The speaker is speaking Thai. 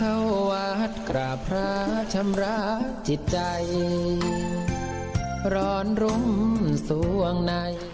เข้าวัดกราบพระชำระจิตใจร้อนรุ่มส่วงใน